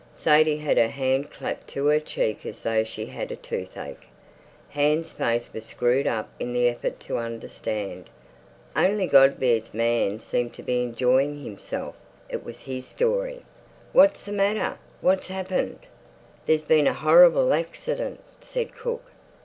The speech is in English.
Sadie had her hand clapped to her cheek as though she had toothache. Hans's face was screwed up in the effort to understand. Only Godber's man seemed to be enjoying himself; it was his story. "What's the matter? What's happened?" "There's been a horrible accident," said Cook.